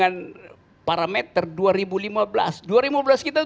yang mirip juga modern